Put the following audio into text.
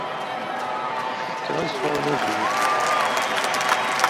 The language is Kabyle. Cukkteɣ ad sɛun ugur.